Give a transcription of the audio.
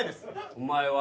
お前は。